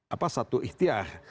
apa satu ikhtiar